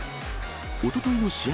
おとといの試合